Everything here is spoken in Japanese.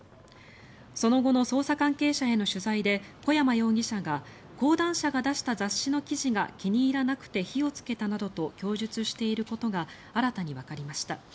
その後の捜査関係者への取材で小山容疑者が講談社が出した雑誌の記事が気に入らなくて火をつけたなどと供述していることが新たにわかりました。